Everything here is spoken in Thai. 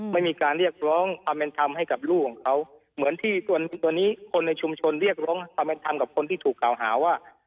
ไม่มีการเรียกร้องความเป็นธรรมให้กับลูกของเขาเหมือนที่ตัวนี้คนในชุมชนเรียกร้องความเป็นธรรมกับคนที่ถูกกล่าวหาว่า